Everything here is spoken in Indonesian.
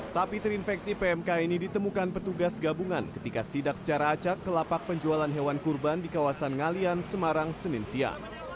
sapi terinfeksi pmk ini ditemukan petugas gabungan ketika sidak secara acak ke lapak penjualan hewan kurban di kawasan ngalian semarang senin siang